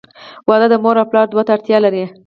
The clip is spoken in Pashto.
• واده د مور او پلار دعا ته اړتیا لري.